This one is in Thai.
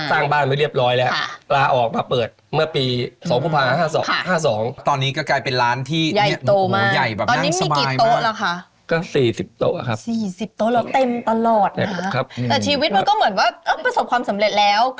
แต่ชีวิตมันเหมือนก็ประสบความสำเร็จแล้ว